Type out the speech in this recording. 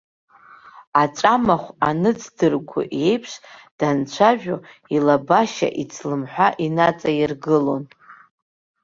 Аҵәамахә анҵдыргәо еиԥш, данцәажәо, илабашьа ицламҳәа инаҵаиргылон.